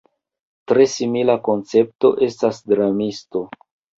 Tre simila koncepto estas dramisto.